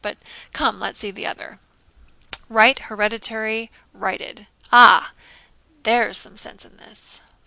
But come, let's see the other. "Right Hereditary righted!" Ah! there's some sense in this.